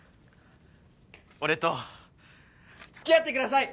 俺とつきあってください！